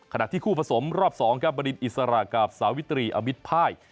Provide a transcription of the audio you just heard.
ขณะที่คู่ผสมรอบ๒บริษฐ์อิสระกับสาวิตรีอมิตรภาย